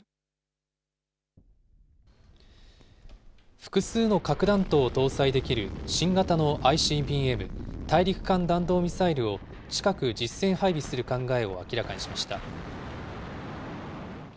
複数の核弾頭を搭載できる新型のＩＣＢＭ・大陸間弾道ミサイルを近く実戦配備する考えを明らかにしました。